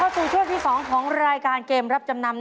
เราเข้าสู่เชื่อที่๒ของรายการเกมรับจำนำ